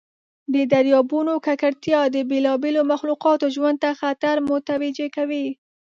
د دریابونو ککړتیا د بیلابیلو مخلوقاتو ژوند ته خطر متوجه کوي.